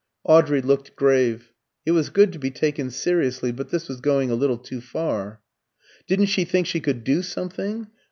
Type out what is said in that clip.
Audrey looked grave. It was good to be taken seriously, but this was going a little too far. Didn't she think she could "do something?